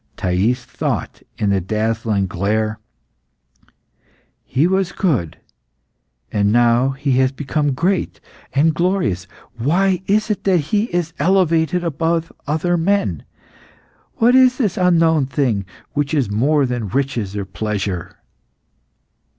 Thais thought in the dazzling glare "He was good, and now he has become great and glorious. Why is it that he is elevated above other men? What is this unknown thing which is more than riches or pleasure?"